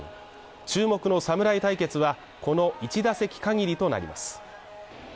注目の侍対決は、この１打席限りとなります。